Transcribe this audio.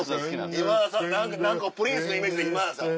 今田さん何かプリンスのイメージ今田さん。